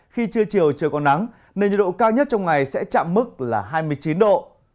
khi trưa chiều trời còn nắng nên nhiệt độ cao nhất trong ngày sẽ chạm mức là hai mươi chín độ